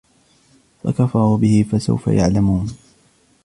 فَكَفَرُوا بِهِ فَسَوْفَ يَعْلَمُونَ